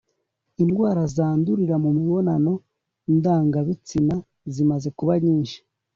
indwara zandurira mu mibonano ndangabitsina zimaze kuba nyinshi